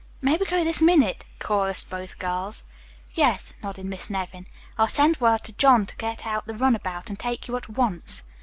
"May we go this minute?" chorused both girls. "Yes," nodded Miss Nevin. "I'll send word to John to get out the run about and take you at once."